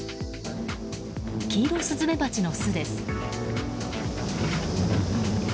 キイロスズメバチの巣です。